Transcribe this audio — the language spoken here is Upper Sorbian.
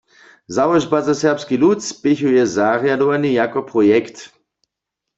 Załožba za serbski lud spěchuje zarjadowanje jako projekt.